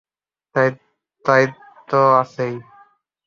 তা তো আছেই।